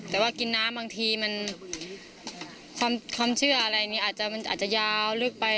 แต่ว่ากินน้ำบางทีมันความเชื่ออะไรนี้อาจจะยาวลึกไป